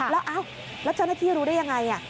แล้วเจ้าหน้าที่รู้ได้ยังไง